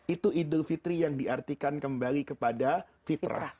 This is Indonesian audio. itu idul fitri yang diartikan kembali kepada fitrah